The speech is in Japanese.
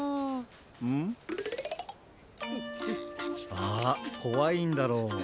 あこわいんだろ？